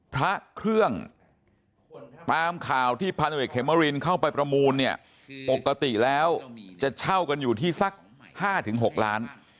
พระเครื่องตามข่าวที่พันธุรกิจเขมรินเข้าไปประมูลเนี่ยปกติแล้วจะเช่ากันอยู่ที่สัก๕๖ล้าน